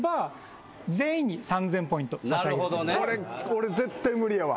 俺絶対無理やわ。